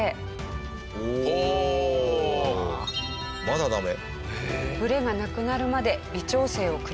まだダメ？